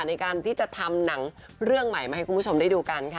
ในการที่จะทำหนังเรื่องใหม่มาให้คุณผู้ชมได้ดูกันค่ะ